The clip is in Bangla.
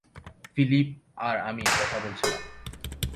ফিলিপ আর আমি কথা বলছিলাম।